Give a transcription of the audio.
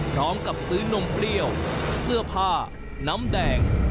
พร้อมกับซื้อนมเปรี้ยวเสื้อผ้าน้ำแดง